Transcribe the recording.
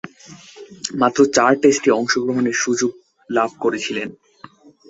মাত্র চার টেস্টে অংশগ্রহণের সুযোগ লাভ করেছিলেন।